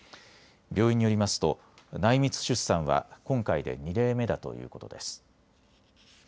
病院によりますと内密出産は今回で２例目だということです。